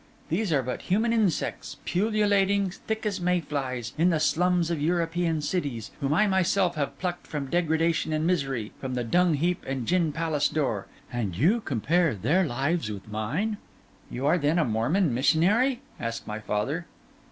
These are but human insects, pullulating, thick as May flies, in the slums of European cities, whom I myself have plucked from degradation and misery, from the dung heap and gin palace door. And you compare their lives with mine!' 'You are then a Mormon missionary?' asked my father.